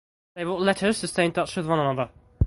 They wrote letters to stay in touch with one another.